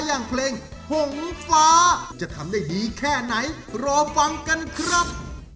อย่างเพลงหงฟ้าจะทำได้ดีแค่ไหนรอฟังกันครับ